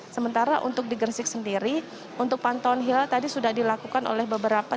sementara untuk di gresik sendiri untuk pantauan hilal tadi sudah dilakukan oleh beberapa